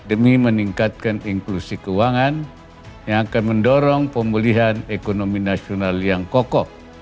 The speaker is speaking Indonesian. demi meningkatkan inklusi keuangan yang akan mendorong pemulihan ekonomi nasional yang kokoh